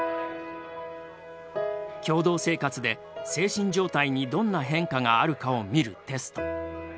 共同生活で精神状態にどんな変化があるかを見るテスト。